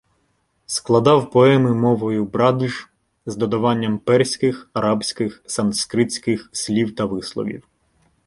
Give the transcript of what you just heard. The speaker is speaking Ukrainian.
Складав поеми мовою брадж з додаванням перських, арабських, санскритських слів та висловів.